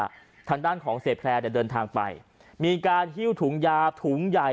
มันเป็นการด้านของสีแพร่เดินทางไปมีการที่ถูกยาบถูกใหญ่